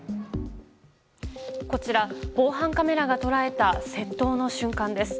こちら、防犯カメラが捉えた窃盗の瞬間です。